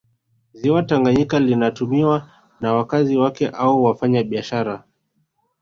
Ziwa Tanganyika linatumiwa na wakazi wake au wafanya biashara